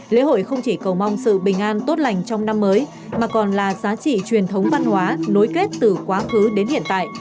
lễ hội không chỉ cầu mong sự bình an tốt lành trong năm mới mà còn là giá trị truyền thống văn hóa nối kết từ quá khứ đến hiện tại